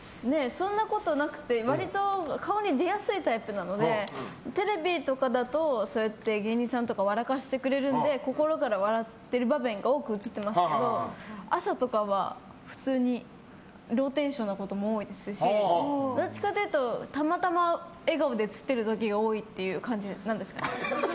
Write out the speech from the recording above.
そんなことなくて割と顔に出やすいタイプなのでテレビとかだとそうやって芸人さんとか笑かしてくれるので心から笑ってる場面が多く映ってますけど朝とかは、普通にローテンションなことも多いですしどっちかというとたまたま笑顔で映ってる時が多いという感じですかね。